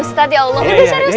ustaz ya allah udah saya ustaz